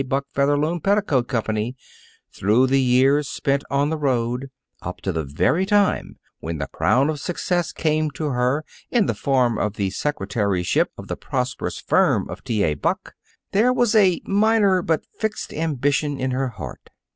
Buck Featherloom Petticoat Company, through the years spent on the road, up to the very time when the crown of success came to her in the form of the secretaryship of the prosperous firm of T. A. Buck, there was a minor but fixed ambition in her heart.